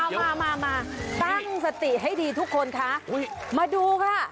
มามาตั้งสติให้ดีทุกคนคะมาดูค่ะ